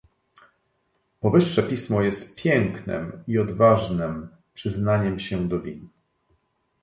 "Powyższe pismo jest pięknem i odważnem przyznaniem się do win."